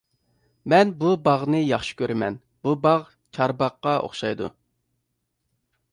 مەن بۇ باغنى ياخشى كۆرىمەن، بۇ باغ چارباغقا ئوخشايدۇ.